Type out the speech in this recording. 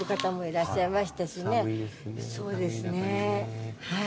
そうですねはい。